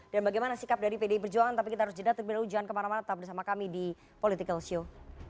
dan bagaimana sikap dari pdi perjuangan tapi kita harus jeda terlebih dahulu jalan kemana mana tetap bersama kami di political show